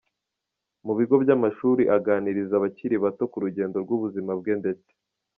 mu bigo by'amashuri aganiriza abakiri bato ku rugendo rw'ubuzima bwe ndetse